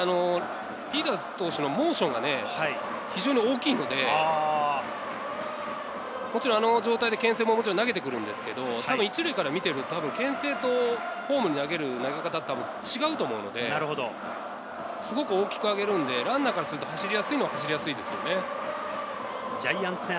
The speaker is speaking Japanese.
ピーターズ投手のモーションが非常に大きいので、もちろん、あの状態でけん制も投げてくるんですけど、１塁から見ているとけん制とホームに投げる投げ方って違うと思うんで、すごく大きく上げるのでランナーからすると、走りやすいのは走りやすいですね。